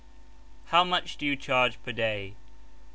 How much do you charge per day